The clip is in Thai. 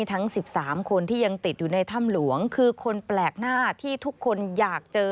ทั้ง๑๓คนที่ยังติดอยู่ในถ้ำหลวงคือคนแปลกหน้าที่ทุกคนอยากเจอ